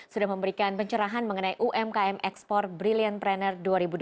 sudah memberikan pencerahan mengenai umkm ekspor brilliant pranner dua ribu dua puluh